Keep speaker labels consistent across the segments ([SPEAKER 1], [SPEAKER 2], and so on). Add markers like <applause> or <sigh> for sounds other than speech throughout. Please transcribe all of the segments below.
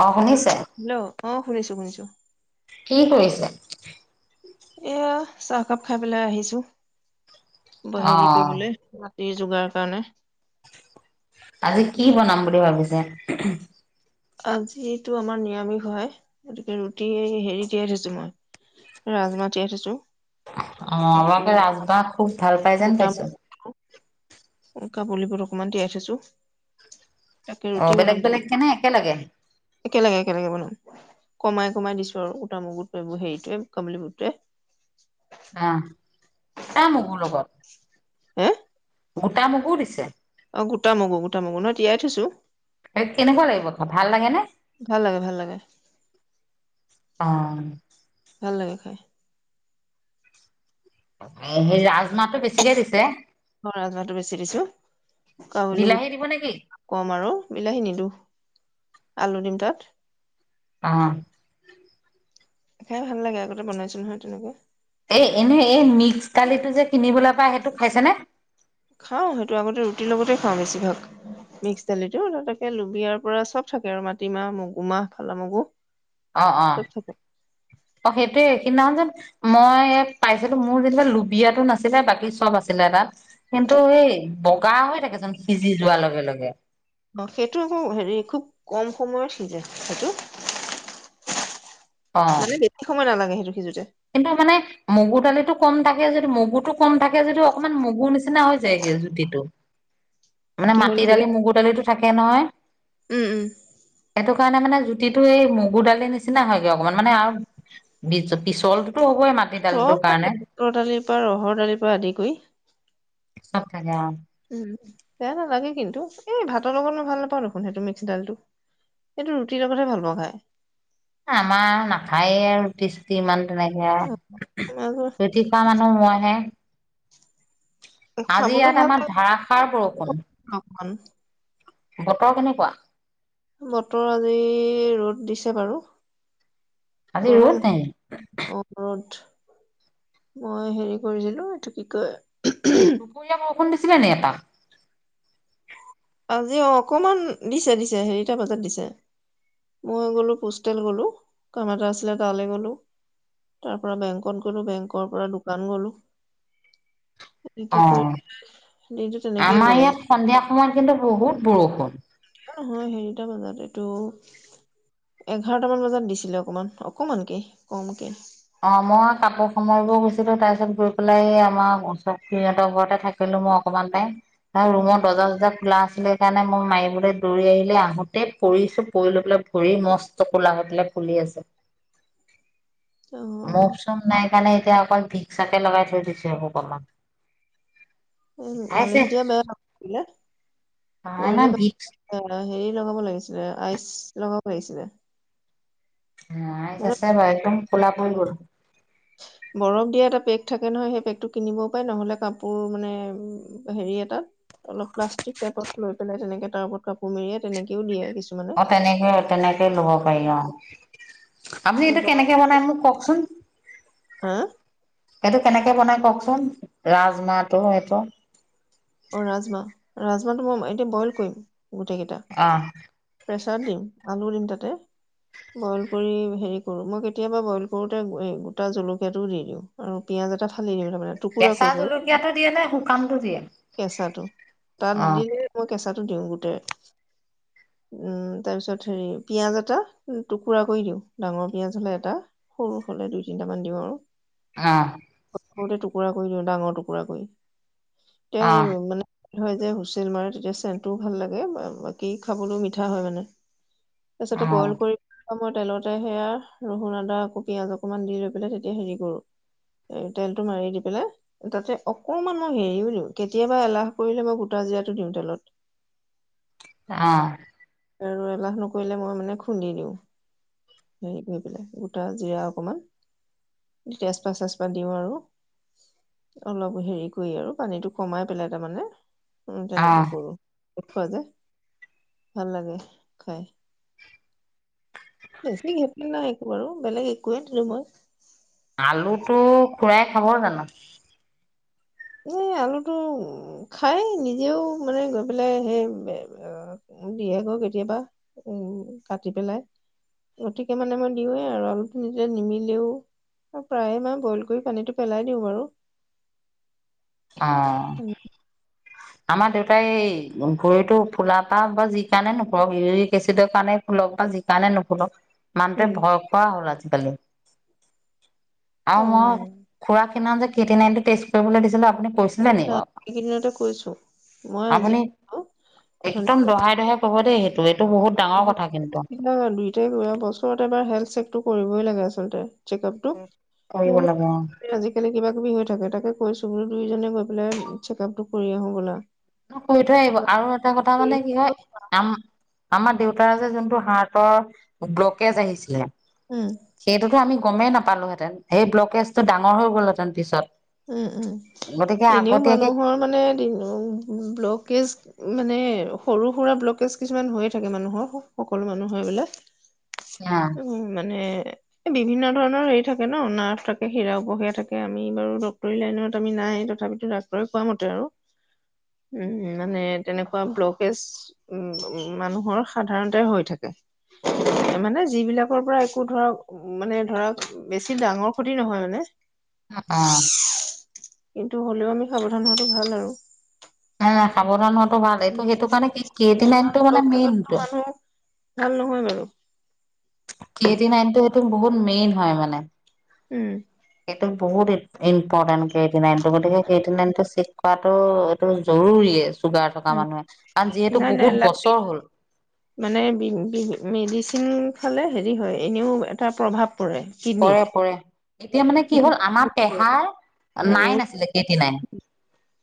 [SPEAKER 1] অ শুনিছো
[SPEAKER 2] হেল্ল' অ শুনিছো শুনিছো
[SPEAKER 1] কি কৰিছো
[SPEAKER 2] এয়া চাহকাপ খাই পেলাই আহিছো ব
[SPEAKER 1] অ
[SPEAKER 2] হেৰি কৰিবলৈ যোগাৰ কাৰণে
[SPEAKER 1] আজি কি বনাম বুলি ভাবিছে
[SPEAKER 2] আজিতো আমাৰ নিৰামিষ হয় গতিকে ৰুটি হেৰি দিয়াই থৈছো মই ৰাজমাহ তিয়াই থৈছো
[SPEAKER 1] অ
[SPEAKER 2] আকৌ
[SPEAKER 1] আপোনালোকে ৰাজমাহ খুব ভাল পাই যেন পাইছো?
[SPEAKER 2] কাবলী বুট অকণমান তিয়াই থৈছো। তাকে
[SPEAKER 1] অ
[SPEAKER 2] ৰুটি
[SPEAKER 1] বেলেগ
[SPEAKER 2] বনাম তাৰমানে
[SPEAKER 1] বেলেগকে নে একেলগে?
[SPEAKER 2] একেলগে একেলগে বনাম, কমাই কমাই দিছো আৰু গোটা মুগুটো আৰু হেৰিটোৱে কবেলিবুটটোৱে।
[SPEAKER 1] অহ উটা মগুৰ লগত?
[SPEAKER 2] হা?
[SPEAKER 1] গোটা মগুও দিছে?
[SPEAKER 2] অ গোটা মগু, গোটা মগু নহয় তিয়াই থৈছো।
[SPEAKER 1] কেনেকুৱা লাগিব খাব ভাল লাগে নে?
[SPEAKER 2] ভাল লাগে ভাল লাগে।
[SPEAKER 1] অ।
[SPEAKER 2] ভাল লাগে খাই।
[SPEAKER 1] এ সেই ৰাজমাহটো বেছিকে দিছে?
[SPEAKER 2] কাৱলী
[SPEAKER 1] বিলাহী
[SPEAKER 2] বুট
[SPEAKER 1] দিব নেকি
[SPEAKER 2] কম আৰু বিলাহী নিদো। আলু দিম তাত।
[SPEAKER 1] অ।
[SPEAKER 2] খাই ভাল লাগে আগতে বনাইছো নহয় তেনেকুৱা।
[SPEAKER 1] এই এনেই এই মিক্স দালিটো যে কিনিবলৈ পায় সেইটো খাইছেনে?
[SPEAKER 2] খাওঁ সেইটো আগতে ৰুটিৰ লগতে খাওঁ বেছিভাগ। মিক্স দালিতো তাত একে লুবিয়াৰ পৰা চব থাকে আৰু মাটিমাহ, মগুমাহ, ফলা মগু।
[SPEAKER 1] অ অ
[SPEAKER 2] চব থাকে
[SPEAKER 1] অ সেইটোয়ে সেইদিনাসন যেন মই পাইছিলো মোৰ যেনিবা লুবিয়াতো নাছিলে বাকী চব আছিলে তাত কিন্তু সেই বগা হৈ থাকেচোন সিজি যোৱাৰ লগে লগে।
[SPEAKER 2] অ সেইটো আকৌ হেৰি খুব কম সময়ত সিজে সেইটো।
[SPEAKER 1] অ
[SPEAKER 2] মানে বেছি সময় নালাগে সেইটো সিজোতে।
[SPEAKER 1] কিন্তু মানে মগু দালিতটো কম থাকে যিহেতু মগুটো কম থাকে যদিও অকমান মগুৰ নিচিনা হৈ যায়গে জুতিটো। মানে
[SPEAKER 2] কিহৰ
[SPEAKER 1] মাটি
[SPEAKER 2] নিচিনা
[SPEAKER 1] দালি মগুৰ দালিটো থাকে নহয়।
[SPEAKER 2] উম উম।
[SPEAKER 1] সেই কাৰণে মানে জুতিটো এই মগুৰ দালিৰ নিচিনা হয়গে অকনমান মানে আৰু বিজ পিছলটো
[SPEAKER 2] চব থাকে বুটৰ দালিৰ পৰা ৰহৰ দালিৰ পৰা আদি কৰি।
[SPEAKER 1] চব থাকে অ।
[SPEAKER 2] উম বেয়া নালাগে কিন্তু, এই ভাতৰ লগত মই ভাল নাপাওঁ দেখোন সেইটো মিক্সডালটো। সেইটো ৰুটিৰ লগতহে ভাল পাওঁ খাই।
[SPEAKER 1] আমাৰ নাখায়ে আৰু ৰুটি-চুটি ইমান তেনেকে আও। ৰুটি খোৱা মানুহ মইহে। আজি
[SPEAKER 2] খাবলৈ
[SPEAKER 1] ইয়াত
[SPEAKER 2] ভাল
[SPEAKER 1] আমাৰ
[SPEAKER 2] লাগে
[SPEAKER 1] ধাৰাসাৰ বৰষুণ।
[SPEAKER 2] অকমান
[SPEAKER 1] বতৰ কেনেকুৱা?
[SPEAKER 2] বতৰ আজি ৰ'দ দিছে বাৰু।
[SPEAKER 1] আজি ৰ'দ
[SPEAKER 2] গৰম
[SPEAKER 1] নাই
[SPEAKER 2] অ ৰদ। মই হেৰি কৰিছিলো এইটো কি কয়
[SPEAKER 1] দুপৰীয়া বৰষুণ দিছিলে নি এটা?
[SPEAKER 2] আজি অ অকমান দিছে দিছে হেৰিটা বজাত দিছে মই গ'লো পোষ্টেল গ'লো কাম এটা আছিলে তালে গ'লো। তাৰপৰা বেংকত গলো বেংকৰ পৰা দোকান গলো। এনেকে
[SPEAKER 1] অ
[SPEAKER 2] কৰি দিনটো তেনেকেই
[SPEAKER 1] আমাৰ
[SPEAKER 2] গ'ল আজি
[SPEAKER 1] ইয়াত সন্ধিয়া সময়ত কিন্তু বহুত বৰষুণ।
[SPEAKER 2] নহয় হেৰিটা বজাত এইটো এঘাৰটামান বজাত দিছিলে অকমান অকমানকে কমকে।
[SPEAKER 1] অ মই কাপোৰ সামৰিব গৈছিলো তাৰপিছত গৈ পেলাই এই আমাৰ ওচৰৰ খুৰীহতৰ ঘৰতে থাকিলো মই অকমান টাইম ৰুমৰ দৰ্জা-চৰ্যা খোলা আছি সেইকাণে মই মাৰিবলৈ দৌৰি আহিলে আহোঁতেই পৰিছোঁ পৰি লৈ পেলাই ভৰি মস্ত কোলা হৈ পেলাই ফুলি আছে
[SPEAKER 2] অ
[SPEAKER 1] মোভ চোভ নাই কাৰণে এতিয়া অকল ভিকচকে লগাই থৈ দিছে সেই অকন
[SPEAKER 2] উম মালিচটোৱে বেয়া কাম
[SPEAKER 1] নাই নাই
[SPEAKER 2] কৰিলে
[SPEAKER 1] ভিক্স
[SPEAKER 2] পৰিলে <unintelligible> হেৰি লগাব লাগিছিলে আইচ লগাব লাগিছিলে
[SPEAKER 1] অ আইচ
[SPEAKER 2] মানে
[SPEAKER 1] আছে বাৰু একদম কোলা পৰি গল
[SPEAKER 2] বৰফ দিয়া এটা পেক থাকে নহয় সেই বেগটো কিনিবও পাই নহলে কাপোৰ মানে হেৰি এটাত অলপ প্লাষ্টিক টাইপত লৈ পেলাই তেনেকে তাৰ ওপৰত কাপোৰ মেৰিয়াই তেনেকেও দিয়ে কিছুমা
[SPEAKER 1] অ তেনেকে তেনেকে লব পাৰি অ আপুনি
[SPEAKER 2] এই
[SPEAKER 1] এইটো
[SPEAKER 2] বৰফ
[SPEAKER 1] কেনেকে বনাই মোক কওকচোন
[SPEAKER 2] হা
[SPEAKER 1] সেইটো কেনেকে বনাই কওকচোন ৰাজমাহটো সেইটো
[SPEAKER 2] অ ৰাজমাহ ৰাজমাহটো মই এতিয়া বইল কৰিম
[SPEAKER 1] আহ
[SPEAKER 2] প্ৰেচাৰ দিম আলু দিম তাতে বইল কৰি হেৰি কৰো মই কেতিয়াবা বইল কৰোতে গোটা জলকীয়াটোও দি দিওঁ উম পিয়াজ লগতে সানি লৈ ল টুকুৰা
[SPEAKER 1] কেঁচা
[SPEAKER 2] কৰি আৰু
[SPEAKER 1] জলকীয়াটো দিয়ে নে শুকানটো দিয়ে
[SPEAKER 2] কেঁচাটো তাত
[SPEAKER 1] অ
[SPEAKER 2] দিলে কেঁচাটো দিওঁ গোটেই উম তাৰ পিছত হেৰি পিয়াজ এটা টুকুৰা কৰি দিও ডাঙৰ পিয়াজ হলে এটা সৰু হ'লে দুই তিনিটামান দিম আৰু
[SPEAKER 1] আহ
[SPEAKER 2] সৰুতে টুকুৰা কৰি দিওঁ ডাঙৰ টুকুৰা কৰি এয়া
[SPEAKER 1] অ
[SPEAKER 2] সেই মানে হয় গে হুচেল মাৰে তেতিয়া চেনটোও ভাল লাগে বাকী খাবলৈও মিঠা হয় মানে
[SPEAKER 1] অ
[SPEAKER 2] তাছতে বইল কৰি মই তেলতে সেয়া নহৰু আদা আকৌ পিয়াঁজ অকমান দি লৈ পেলাই তেতিয়া হেৰি কৰো এ তেলটো মাৰি দি পেলাই তাতে অকমান মই মেৰি নিও কেতিয়াবা এলাহ কৰিলে মই গোটা জিৰাটো দিওঁ তেলত
[SPEAKER 1] আহ
[SPEAKER 2] আৰু এলাহ নকৰিলে মই মানে খুন্দি দিওঁ হেৰি কৰি পেলাই গোটা জিৰা অকমান তেজপত চেজতপা দিওঁ আৰু অলপ হেৰি কৰি আৰু পানীতটো কমাই পেলাই তাৰমানে উম
[SPEAKER 1] অ
[SPEAKER 2] তেনেকে কৰো খোৱা যায় ভাল লাগে খাই বেছি ঘেপলি নাই একো নাই বেলেগ একোৱে দিয়া নাই
[SPEAKER 1] আলুটো খুৰাই খাব জানো
[SPEAKER 2] এই আলুটো খাই নিজেও মানে গৈ পেলাই সেই দিয়েগৈ কেতিয়াবা উম কাটি পেলাই গতিকে মানে মই দিওঁৱে আৰু আলুটো নিদিলে নিমিলেই প্ৰায়ে মই বইল কৰি পানীটো পেলাই দিওঁ বাৰু
[SPEAKER 1] আহ আমাৰ দেউতাই এই ভৰিতো ফুলা পা বা যি কাৰণে নুফুলক ইউৰিক এচিডৰ কাৰণে ফুলক বা যি কাণে নুফুলক মানুহটোৱে
[SPEAKER 2] উম
[SPEAKER 1] ভয় খোৱা হল আজিকালি
[SPEAKER 2] অ
[SPEAKER 1] আৰু মই খুৰাক সেইদিনাখন যে কিতনাটো টেষ্ট কৰিবলে দিছিলো কৈছিলে নি
[SPEAKER 2] নাই
[SPEAKER 1] বাও
[SPEAKER 2] এইকেইদিনতে কৈছো মই আজি
[SPEAKER 1] আপুনি একদম
[SPEAKER 2] অথনি
[SPEAKER 1] দহাই দহাই হ'ব দে সেটোৱে
[SPEAKER 2] দুইটাই কৰিবা বছৰত এবাৰ হেল চেকটো কৰিবই লাগে আচলতে চেকআপ টো
[SPEAKER 1] কৰিব লাগে অ'।
[SPEAKER 2] মোৰ আজি কালি কিবা কিবি হৈ থাকে তাকে কৈছো ব দুইোজনে গৈ পেলাই চেকআপ টো কৰি আহো গ'লা
[SPEAKER 1] ক থৈ আহিব আৰু এটা কথা মানে কি হয় আম আমাৰ দেউতাৰ যে যোনটো হাৰ্টৰ ব্লকেজ আহিছিলে
[SPEAKER 2] উম
[SPEAKER 1] সেইটোতো আমি গমেই নাপালোহেঁতেন সেই ব্লকেজ ডাঙৰ হৈ গ'ল হেতেন পিছত
[SPEAKER 2] উম উম
[SPEAKER 1] গতিকে
[SPEAKER 2] এনেও
[SPEAKER 1] আগতীয়াকে
[SPEAKER 2] মানুহৰ মানে ব্লকেজ মানে সৰু সুৰা ব্লকেজ কিছুমান হৈয়ে থাকে মানুহৰ সকলো মানুহৰ এইবিলাক
[SPEAKER 1] <unintelligible> অ',
[SPEAKER 2] উ মানে বিভিন্ন ধৰণৰ হেৰি থাকে নাৰ্ভ থাকে হীৰা উপহীয়া থাকে আমি বাৰু ডাক্টৰী লাইনত আমি নাই তথাপিতো ডাক্তৰে খোৱা মতে আৰু উম মানে তেনেকুৱা ব্লকেজ উ মানুহৰ সাধাৰণতে হৈ থাকে মানে যিবিলাকৰ পৰা একো ধৰক মানে ধৰক বেছি ডাঙৰ ক্ষতি নহয় মানে
[SPEAKER 1] আহ
[SPEAKER 2] কিন্তু হ'লেও আমি সাৱধান হোৱাাতটো ভাল আৰু
[SPEAKER 1] ন নাই সাৱধান টো ভালেই ত সেইটো কাৰণে কি কেটি নাইনটো মানে
[SPEAKER 2] ব্লকেজতটো
[SPEAKER 1] মেইনটো
[SPEAKER 2] মানুহ ভাল নহয় বাৰু।
[SPEAKER 1] কেটি নাইনটো সেইটো বহুত মেইন হয় মানে
[SPEAKER 2] উম
[SPEAKER 1] সেইটো বহুত ইম্পৰ্টেণ্ট কেইটি নাইনটো গতিকে কেইটি নাইনটো পাতটো এইটো জৰুৰী চুগাৰ থকা
[SPEAKER 2] উম,
[SPEAKER 1] মানুহে কাৰণ যিহেতু
[SPEAKER 2] নাই নাই
[SPEAKER 1] বহুত
[SPEAKER 2] লাগেই।
[SPEAKER 1] বছৰ হ'ল
[SPEAKER 2] িন ফালে হেৰি হয় এনেও এটা প্ৰভাৱ পৰে কিডনীত।
[SPEAKER 1] পৰে পৰে এতিয়া মানে কি হ'ল
[SPEAKER 2] কিডনীত
[SPEAKER 1] আমাৰ পেহাৰ
[SPEAKER 2] আৰু
[SPEAKER 1] নাইন আছিলে কেইট নাই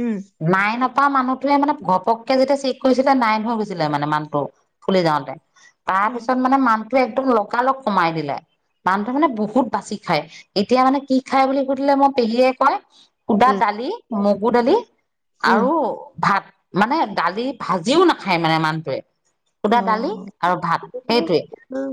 [SPEAKER 2] উম,
[SPEAKER 1] নাইন তা মানুহটোৱে মানে ঘপকে যেতিয়া চেক কৰিছিলে নাইন হৈ গৈছিলে মানে মানুহটো ফুলি যাওঁতে তাৰ পিছত
[SPEAKER 2] উম,
[SPEAKER 1] মানে মানুহটোো একদম লগকালগ কমাই দিলে মানু মানে বহুত বাচি খায় এতিয়া মানে কি খাই বুলি সুধিলে মই পেহীয়ে কয় সুদা দালি মগু দালি
[SPEAKER 2] উম।
[SPEAKER 1] আৰু ভাত মানে দালি ভাজিও নাখায় মানে মানুহটোৱে খুদা দালি
[SPEAKER 2] অ',
[SPEAKER 1] আৰু ভাত
[SPEAKER 2] এইটো
[SPEAKER 1] সেইটোৱে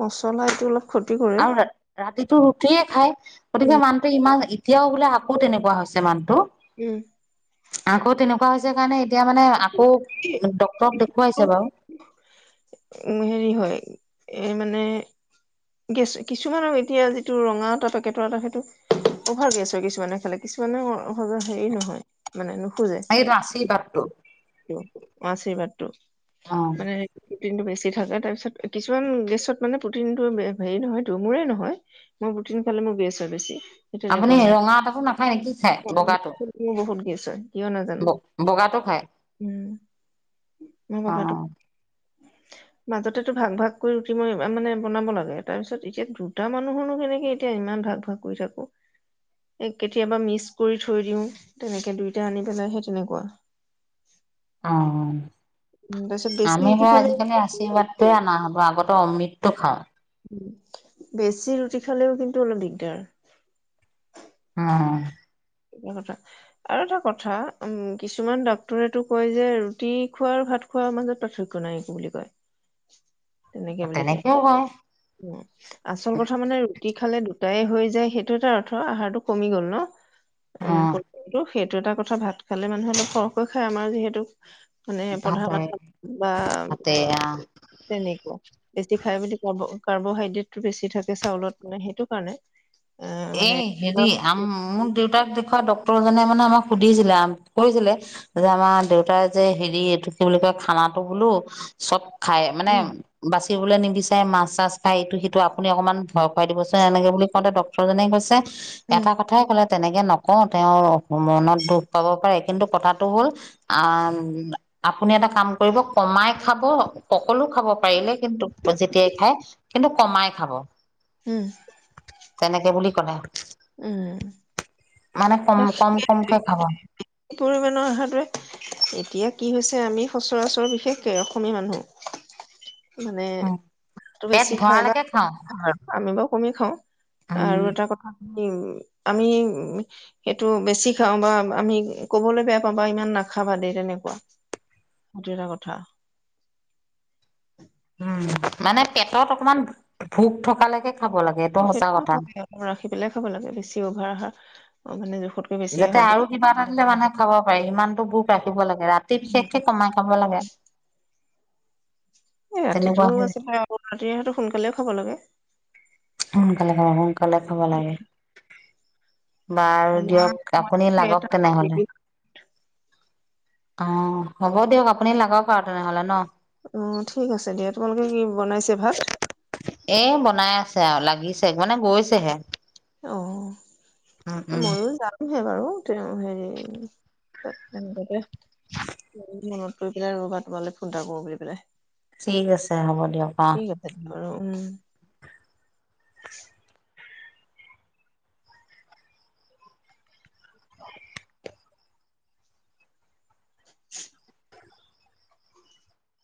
[SPEAKER 2] মচলা এইটো অলপ ক্ষতি কৰে।
[SPEAKER 1] আৰু ৰাতিতটো ৰুটিয়ে খাই গতিকে
[SPEAKER 2] উম,
[SPEAKER 1] মানুহটো ইমান এতিয়াও বোলে আকৌ তেনেকুৱা হৈছে মান
[SPEAKER 2] উম।
[SPEAKER 1] আকৌ তেনেকুৱা হৈছে কাৰণে এতিয়া মানে
[SPEAKER 2] উম
[SPEAKER 1] আকৌ ডক্তৰক দেখুৱাইছে বাৰু
[SPEAKER 2] উ হেৰি হয় এ মানে গেছ কিছুমানৰ এতিয়া যিটো ৰঙা এটা পেকেটৰ এটা সেইটো অভাৰ গেছ হয় কিছুমানে খালে কিছুমানে হেৰি নহয় মানে
[SPEAKER 1] এই ৰাচি বাটটো
[SPEAKER 2] আশীৰ্বাদতটো
[SPEAKER 1] অ
[SPEAKER 2] মানে দিনটো বেছি থাককা তাৰপিছত কিছুমান গেছত মানে প্ৰটিনটো হেৰি নহয় দ মোৰে নহয় মই প্ৰঠিন খালে মোৰ বেছ হয় বেছি সেই
[SPEAKER 1] আপুনি
[SPEAKER 2] তেনেকুৱা মানে
[SPEAKER 1] ৰঙা এটাকো নাখায় নেকি খায় বগাটো
[SPEAKER 2] মোৰ বহুত গেছ হয় কিয় নাজানো
[SPEAKER 1] বগাটো খায়
[SPEAKER 2] উম ম
[SPEAKER 1] অ
[SPEAKER 2] বকাটো
[SPEAKER 1] <unintelligible>
[SPEAKER 2] মাজতে ভাগ ভাগ কৰি ৰুটি মই মানে বনাব লাগে তাৰপিছত এতিয়া দুটা মানুহৰনো কেনেকে এতিয়া ই ইমান ভাগ ভাগ কৰি থাকো কেতিয়াবা মিক্স কৰি থৈ দিওঁ তেনেকে দুইটা আনি পেলাই সেই তেনেকুৱা
[SPEAKER 1] অ
[SPEAKER 2] উম তাৰপিছত বেছি
[SPEAKER 1] আমি
[SPEAKER 2] ৰুটি
[SPEAKER 1] বাৰ
[SPEAKER 2] খালে
[SPEAKER 1] আজিকালি আশীৰ্বাদ তে অনা হবো আগতে অমৃতটো খাওঁ
[SPEAKER 2] বেছি ৰুটি খালেও কিন্তু অলপ দিগদাৰ
[SPEAKER 1] উম
[SPEAKER 2] কথা আৰু এটা কথা উম, কিছুমান ডাক্তৰেটো কয় যে ৰুটি খোৱাৰ ভাত খোৱাৰ মাজত পাৰ্থক্য নাই বুলি কয়? তেনেকে
[SPEAKER 1] অ
[SPEAKER 2] বুলি কয়
[SPEAKER 1] তেনেকেও হয়
[SPEAKER 2] উ' আচল কথা মানে ৰুটি খালে দুটাই হৈ যায় সেইটো এটা অৰ্থ আহাৰটো কমি গ'ল ন
[SPEAKER 1] অ
[SPEAKER 2] উ পৰিমণটো। সেইটো এটা কথা ভাত খালে মানুহে অলপ সৰহকৈ খায় আমাৰ যিহেতু মানে
[SPEAKER 1] ভাতে
[SPEAKER 2] প্ৰধানম বা
[SPEAKER 1] ভাতে অ
[SPEAKER 2] তেনেকুৱা বেছি খাই বুলি কব, কাৰ্বহাইড্ৰেটটো বেছি থাকে চাউলত মানে সেইটো কাৰণে।
[SPEAKER 1] এ হেৰি আম মোৰ দেউতাক দেখ ডক্তৰ জনে মানে আমাক সুধিছিলে কৈছিলে যে আমাৰ দেউতাই যে হেৰি এইটো বুলি ক? খানাটো বোলো চব খাই মানে
[SPEAKER 2] উম
[SPEAKER 1] বা ছিবলৈ নিবিচাৰে মাছ চাছ খাই এইটো সেইটো আপুনি অকণমান ভয় খুৱাই দিবচোন এনেকে বুলি কওঁতে ডক্টৰ জনে কৈছে
[SPEAKER 2] উম
[SPEAKER 1] এটা কথাই ক'লে, তেনেকে নকওঁ তেওঁৰ মনত দুখ পাব পাৰে কিন্তু কথাটো হ'ল আ', আপুনি এটা কাম কৰিব কমাই খাব সকলো খাব পাৰিলে কিন্তু যেতিয়াই খায়। কিন্তু কমাই খাব।
[SPEAKER 2] হম,
[SPEAKER 1] তেনেকে বুলি ক'লে।
[SPEAKER 2] উম,
[SPEAKER 1] মানে কম কম কমকে খাব
[SPEAKER 2] কি পৰিমণৰ আহাৰটোৱে এতিয়া কি হৈছে আমি সচৰাচৰৰ বিশেষকে অসমীয়া মানুহ মানে
[SPEAKER 1] উম
[SPEAKER 2] ভাতটো
[SPEAKER 1] পেট
[SPEAKER 2] বেছি খাই বা।
[SPEAKER 1] ভৰালৈকে খাওঁ
[SPEAKER 2] আমি বাৰ কমি খাওঁ আৰু
[SPEAKER 1] উম
[SPEAKER 2] এটা কথা, আমি সেইটো বেছি খাওঁ বা আমি ক'বলৈ বেয়া পাওঁ বা ইমান ন, আশাবাদী তেনেকুৱা সেইটো এটা কথা।
[SPEAKER 1] <inaudible> উম, মানে পেটত অকমান ভোক থকালৈকে খাব লাগে এইটো সঁচা
[SPEAKER 2] সেইটো
[SPEAKER 1] কথা
[SPEAKER 2] হয় অলপ ৰাখি পেলাই খাব লাগে বেছি অভাৰ আহাৰ অ মানে জোখ
[SPEAKER 1] যাতে আৰু কিবা এটা দিলে মানুহে খাব পাৰে ইমানতটো ভোক ৰাখিব লাগে ৰাতি বিশেষকে কমাই খাব লাগে। <inaudible>
[SPEAKER 2] এ
[SPEAKER 1] তেনেকুৱা
[SPEAKER 2] ৰাতিটোও
[SPEAKER 1] হয়
[SPEAKER 2] আছে ৰাতি সতো সোনকালেও খাব লাগে।
[SPEAKER 1] সোনকালে খাব লাগে সোনকালে খাব লাগে। বাৰু
[SPEAKER 2] আমাৰ
[SPEAKER 1] দিয়ক আপুনি লাগক
[SPEAKER 2] সেইটো আমাৰ
[SPEAKER 1] তেনেহলে।
[SPEAKER 2] বেবি
[SPEAKER 1] অ' হ'ব দিয়ক আপুনি লাগক আৰু তেনেহলে ন।
[SPEAKER 2] অ' ঠিক আছে দিয়া তোমালোকে কি বনাইছে ভাত?
[SPEAKER 1] এ বনাই আছে আৰু লাগিছে মানে গৈছেহে। উম
[SPEAKER 2] অ'
[SPEAKER 1] উম
[SPEAKER 2] ময়ো যাম। সেই বাৰু তেওঁ হেৰি ত তেনেকোৱতে। মনত পৰি পেলাই ৰবা তোমালৈ ফোন এটা কৰো বুলি পেলাই।
[SPEAKER 1] ঠিক আছে হ'ব দিয়ক অহ,
[SPEAKER 2] ঠিক আছে দিয়া বাৰু <inaudible> <unintelligible>